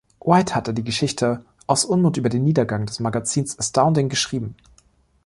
White hatte die Geschichte aus Unmut über den Niedergang des Magazins "Astounding" geschrieben.